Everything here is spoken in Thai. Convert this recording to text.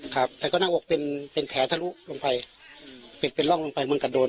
ครับแล้วก็นั่งอกเป็นเป็นแผลทะลุลงไปเป็นเป็นร่องลงไปมึงกัดโดน